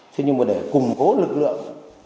thế nhưng mà để củng cố lực lượng